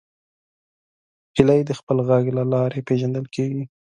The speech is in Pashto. هیلۍ د خپل غږ له لارې پیژندل کېږي